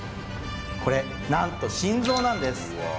これなんと心臓なんです。